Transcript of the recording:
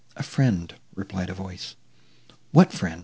"A friend," replied a voice. "What friend?"